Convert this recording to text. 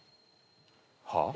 はあ？